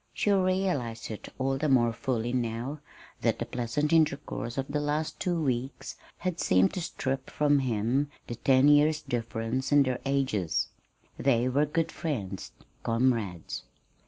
She realized it all the more fully now that the pleasant intercourse of the last two weeks had seemed to strip from him the ten years' difference in their ages. They were good friends, comrades.